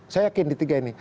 saya yakin di tiga ini